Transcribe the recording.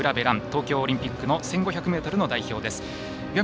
東京オリンピックの１５００ｍの代表です。